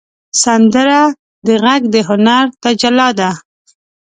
سندره د غږ د هنر تجلی ده